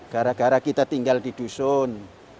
gara gara kita tinggal di dusun